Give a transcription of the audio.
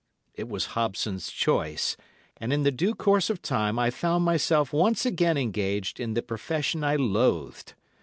It was Hobson's choice, and in due course of time I found myself once again engaged in the profession I loathed.